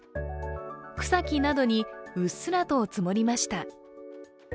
草木などにうっすらと積もりました。